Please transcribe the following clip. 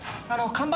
看板！？